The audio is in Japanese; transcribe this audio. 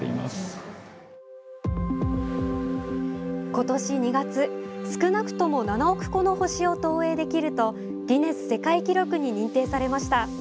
今年２月、「少なくとも７億個の星を投影できる」とギネス世界記録に認定されました。